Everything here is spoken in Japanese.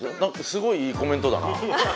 すごいいいコメントだな。